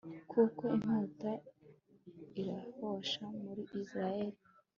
nuko inkota irahosha muri israheli